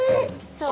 そう。